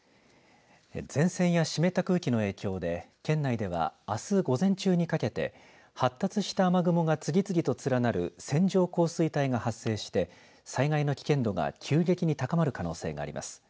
前線や湿った空気の影響で県内では、あす午前中にかけて発達した雨雲が次々と連なる線状降水帯が発生して災害の危険度が急激に高まる可能性があります。